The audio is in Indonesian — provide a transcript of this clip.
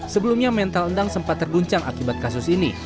sebelumnya mental endang sempat terguncang akibat kasus ini